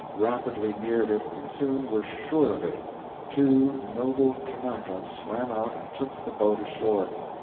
rapidly neared it and soon were SURE of it.... Two noble Kanakas swam out and took the boat ashore.